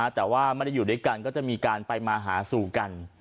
แต่ว่าไม่ได้อยู่ด้วยกันก็จะมีการไปมาหาสู่กัน